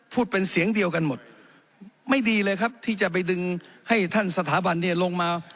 เป็นเสียงเดียวกันหมดไม่ดีเลยครับที่จะไปดึงให้ท่านสถาบันเนี่ยลงมา